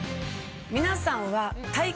皆さんは。